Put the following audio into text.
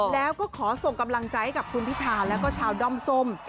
แล้วก็ขอส่งกำลังใจให้กับคุณพิธาแล้วก็ชาวด้อมส้ม